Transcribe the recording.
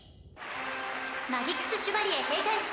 マギクス・シュバリエ閉会式